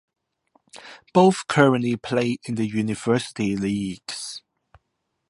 Both currently play in the university leagues.